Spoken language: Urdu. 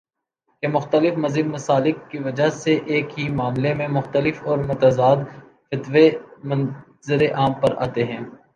کہ مختلف مذہبی مسالک کی وجہ سے ایک ہی معاملے میں مختلف اور متضاد فتوے منظرِ عام پر آتے ہیں